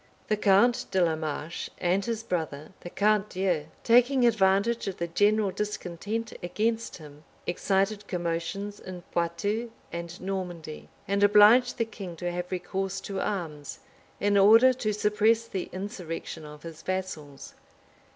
The count de la Marche, and his brother, the count d'Eu, taking advantage of the general discontent against him, excited commotions in Poictou and Normandy, and obliged the king to have recourse to arms, in order to suppress the insurrection of his vassals.